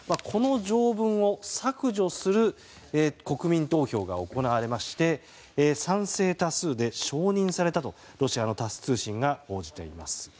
この条文を削除する国民投票が行われまして賛成多数で承認されたとロシアのタス通信が報じています。